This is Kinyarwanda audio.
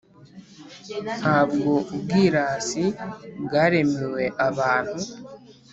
Nta bwo ubwirasi bwaremewe abantu,